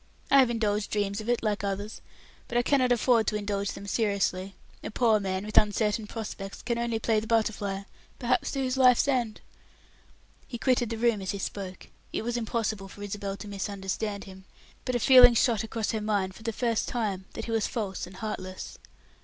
"I have indulged dreams of it, like others, but I cannot afford to indulge them seriously; a poor man, with uncertain prospects can only play the butterfly, perhaps to his life's end." He quitted the room as he spoke. It was impossible for Isabel to misunderstand him, but a feeling shot across her mind, for the first time, that he was false and heartless.